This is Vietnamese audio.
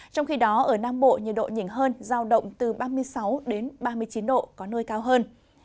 trong khi đó ở nam bộ nhiệt độ nhỉnh hơn giao động từ ba mươi sáu ba mươi chín độ có nơi cao hơn